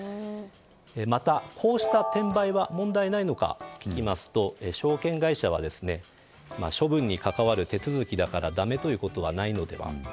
また、こうした転売は問題ないのか聞きますと証券会社は処分に関わる手続きだからだめということはないのでは。